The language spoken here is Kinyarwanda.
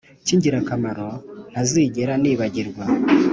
kingirakamaro ntazigera nibagirwa